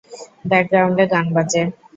ব্যাকগ্রাউন্ডে গান বাজে।